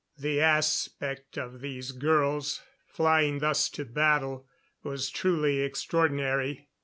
The aspect of these girls, flying thus to battle, was truly extraordinary.